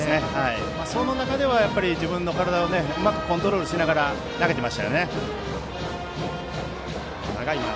その中では自分の体をうまくコントロールしながら投げていましたよね。